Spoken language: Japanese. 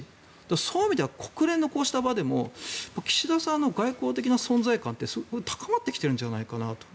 そういう意味では国連のこうした場でも岸田さんの外交的な存在感ってすごく高まってきてるんじゃないかなと。